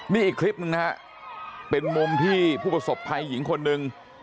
นี่อีกคลิปหนึ่งนะฮะเป็นมุมที่ผู้ประสบภัยหญิงคนหนึ่ง